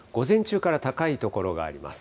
午前中から高い所があります。